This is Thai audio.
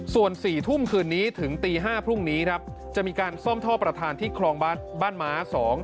ส่วน๔ทุ่มคืนนี้ถึงตี๕พรุ่งนี้ครับจะมีการซ่อมท่อประธานที่คลองบ้านม้า๒